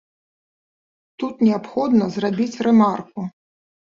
Тут неабходна зрабіць рэмарку.